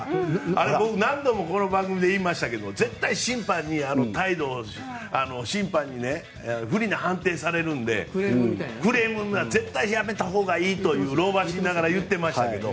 あれ、僕何度もこの番組で言いましたが絶対に審判に不利な判定されるのでクレームは絶対にやめたほうがいいと老婆心ながら言ってましたけど。